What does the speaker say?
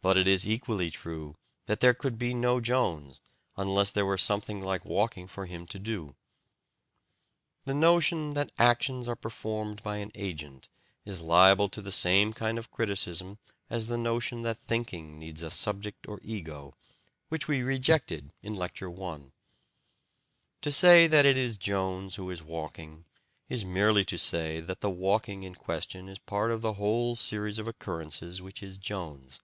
But it is equally true that there could be no Jones unless there were something like walking for him to do. The notion that actions are performed by an agent is liable to the same kind of criticism as the notion that thinking needs a subject or ego, which we rejected in Lecture I. To say that it is Jones who is walking is merely to say that the walking in question is part of the whole series of occurrences which is Jones.